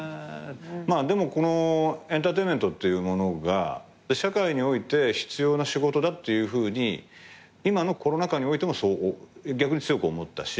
でもこのエンターテインメントっていうものが社会において必要な仕事だっていうふうに今のコロナ禍においても逆に強く思ったし。